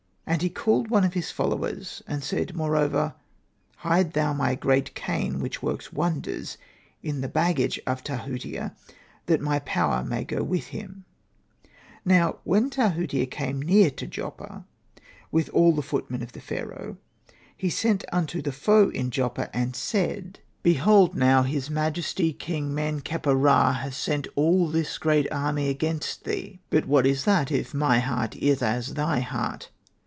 And he called one of his fol lowers, and said moreover, ^^ Hide thou my great cane, which works wonders, in the baggage of Tahutia that my power may go with him." Now when Tahutia came near to Joppa, with all the footmen of Pharaoh, he sent unto the Foe in Joppa, and said, '* Be Hosted by Google 2 THE TAKING OF JOPPA hold now his majesty, Khig Men kheper ra, has sent all this great army against thee ; but what is that if my heart is as thy heart?